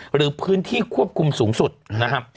หรือพื้นที่ควบคุมสูงสุดนะครับ